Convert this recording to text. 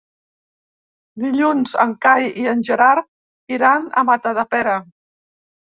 Dilluns en Cai i en Gerard iran a Matadepera.